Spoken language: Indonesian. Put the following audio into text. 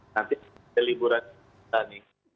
nanti ada liburan kita nih